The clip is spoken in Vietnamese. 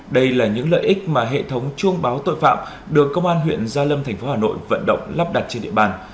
đây là những lợi ích mà hệ thống chuông báo tội phạm được công an huyện gia lâm thành phố hà nội vận động lắp đặt trên địa bàn